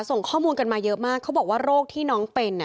ส่งข้อมูลกันมาเยอะมากเขาบอกว่าโรคที่น้องเป็น